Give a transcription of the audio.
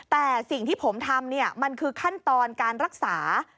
แต่สิ่งที่ผมทำมันคือขั้นตอนการรักษา